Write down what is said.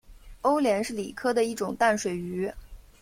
欧鲢是鲤科的一种淡水鱼。